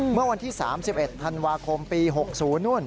เมื่อวันที่๓๑ธันวาคมปี๖๐นู่น